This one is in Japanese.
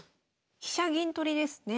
飛車銀取りですね。